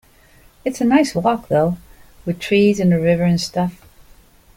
It's a nice walk though, with trees and a river and stuff.